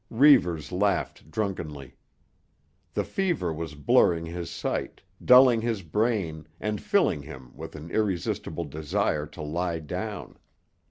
Reivers laughed drunkenly. The fever was blurring his sight, dulling his brain and filling him with an irresistible desire to lie down.